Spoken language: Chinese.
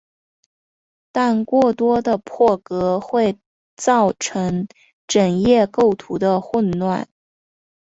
但过多的破格会造成整页构图的混乱。